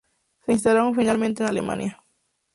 Se instalaron finalmente en Alemania.